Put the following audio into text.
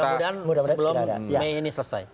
mudah mudahan sebelum mei ini selesai